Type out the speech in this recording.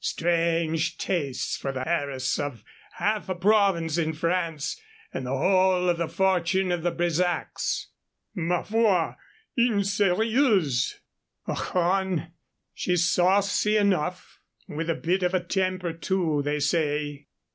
Strange tastes for the heiress of half a province in France and the whole of the fortune of the Bresacs." "Ma foi! Une sérieuse!" "Ochone! she's saucy enough with a bit of a temper, too, they say."